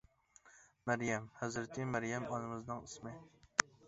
مەريەم : ھەزرىتى مەريەم ئانىمىزنىڭ ئىسمى.